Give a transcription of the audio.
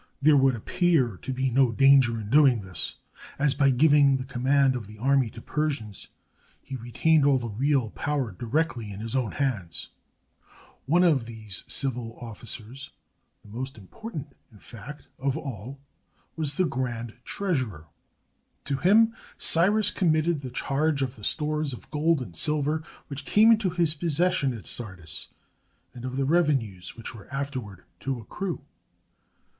There would appear to be no danger in doing this, as, by giving the command of the army to Persians, he retained all the real power directly in his own hands. One of these civil officers, the most important, in fact, of all, was the grand treasurer. To him Cyrus com mitted the charge of the stores of gold and silver which came into his possession at Sardis, and of the revenues which were afterward to accrue.